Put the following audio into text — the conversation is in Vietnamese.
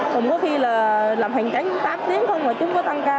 không có khi là làm hành tránh tám tiếng không mà chúng có tăng ca